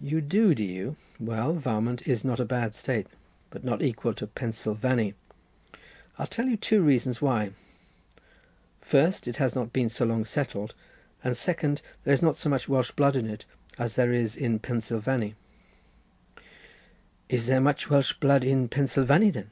"You do, do you? Well, Varmont is not a bad state, but not equal to Pensilvany, and I'll tell you two reasons why; first, it has not been so long settled, and second, there is not so much Welsh blood in it as there is in Pensilvany." "Is there much Welsh blood in Pensilvany, then?"